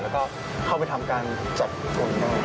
แล้วก็เข้าไปทำการจัดอุณหวัง